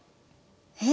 え？